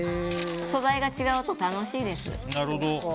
素材が違うと楽しいですよね。